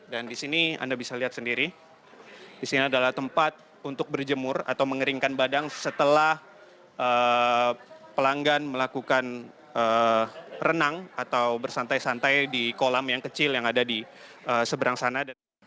dan disini anda bisa lihat sendiri disini adalah tempat untuk berjemur atau mengeringkan badang setelah pelanggan melakukan renang atau bersantai santai di kolam yang kecil yang ada di sebelah sana